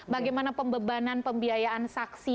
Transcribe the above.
bagaimana pembebanan pembiayaan saksi